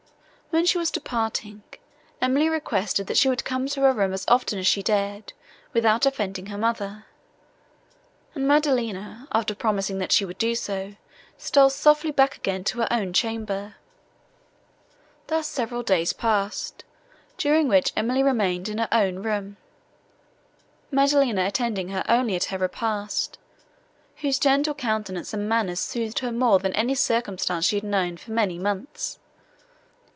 When she was departing, Emily requested, that she would come to her room as often as she dared, without offending her mother, and Maddelina, after promising that she would do so, stole softly back again to her own chamber. Thus several days passed, during which Emily remained in her own room, Maddelina attending her only at her repast, whose gentle countenance and manners soothed her more than any circumstance she had known for many months.